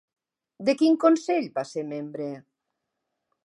De quin consell va ser membre?